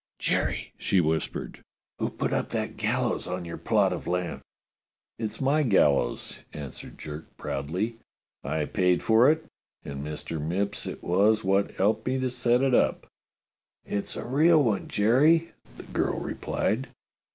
*' Jerry," she whispered, "who put up that gallows on your plot of land.^" "It's my gallows," answered Jerk proudly. "I paid for it, and Mister Mipps it was wot helped me to set it up." "It's a real one, Jerry," the girl replied.